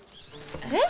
えっ？